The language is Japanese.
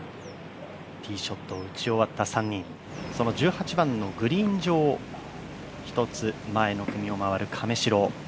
ティーショットを打ち終わった３人その１８番のグリーン上を、一つ前の組を回る亀代。